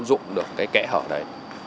dụng được kẻ hở này